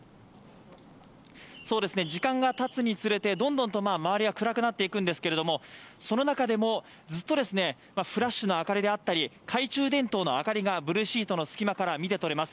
時間がたつにつれて、どんどんと周りは暗くなっていくんですがその中でもずっとフラッシュの明かりであったり懐中電灯の明かりがブルーシートの隙間から見てとれます。